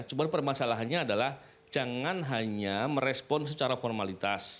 cuma permasalahannya adalah jangan hanya merespon secara formalitas